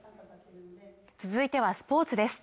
続いてはスポーツです